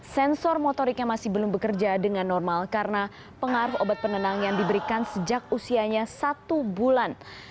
sensor motoriknya masih belum bekerja dengan normal karena pengaruh obat penenang yang diberikan sejak usianya satu bulan